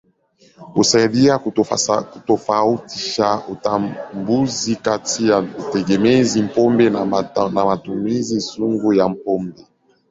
Husaidia kutofautisha utambuzi kati ya utegemezi pombe na matumizi sugu ya pombe.